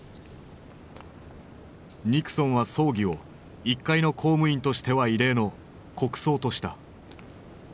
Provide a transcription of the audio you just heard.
ニクソンは葬儀を一介の公務員としては異例の国葬とした。